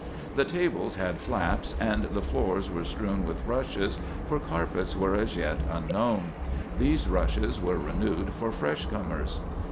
The tables had flaps, and the floors were strewn with rushes, for carpets were as yet unknown. These rushes were renewed for fresh comers.